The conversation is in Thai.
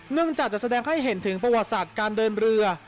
เนื่องจากจะแสดงให้เห็นถึงประวัติศาสตร์การเดินเรือ